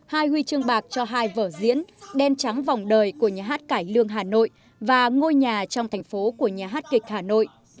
hai huy chương bạc cho hai vở diễn đen trắng vòng đời của nhà hát cải lương hà nội và ngôi nhà trong thành phố của nhà hát kịch hà nội